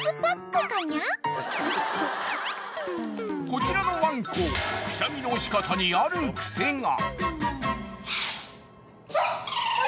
［こちらのワンコくしゃみの仕方にある癖が］